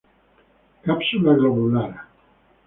Cápsula globular.